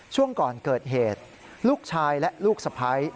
ช่วงก่อนเกิดเหตุลูกชายและลูกสะพ้าย